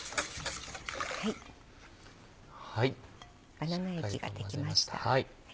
バナナ液が出来ました。